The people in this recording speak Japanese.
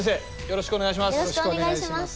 よろしくお願いします。